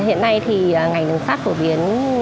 hiện nay thì ngành đường sắt phổ biến